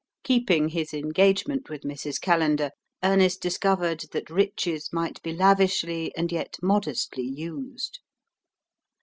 Keeping his engagement with Mrs. Callender, Ernest discovered that riches might be lavishly and yet modestly used.